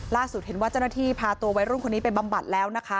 เห็นว่าเจ้าหน้าที่พาตัววัยรุ่นคนนี้ไปบำบัดแล้วนะคะ